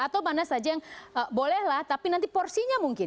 atau mana saja yang bolehlah tapi nanti porsinya mungkin